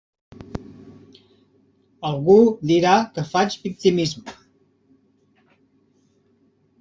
Algú dirà que faig victimisme.